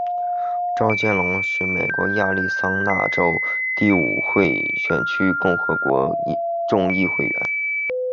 邵建隆是美国亚利桑那州第五国会选区的共和党众议员。